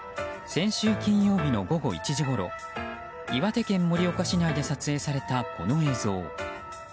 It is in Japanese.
先週金曜日の午後１時ごろ岩手県盛岡市内で撮影されたこの映像。